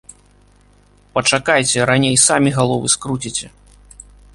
Пачакайце, раней самі галовы скруціце.